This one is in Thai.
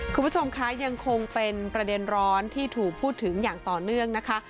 คุณผู้ชมคะยังคงเป็นประเด็นร้อนที่ถูกพูดถึงอย่างต่อเนื่องนะคะ